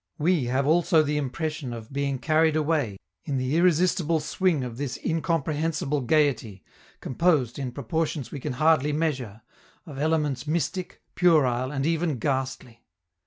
We have also the impression of being carried away in the irresistible swing of this incomprehensible gayety, composed, in proportions we can hardly measure, of elements mystic, puerile, and even ghastly.